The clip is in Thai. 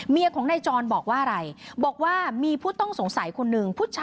เมียของนายจรบอกว่าอะไรบอกว่ามีผู้ต้องสงสัยคนหนึ่ง